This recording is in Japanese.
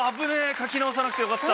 書き直さなくてよかった。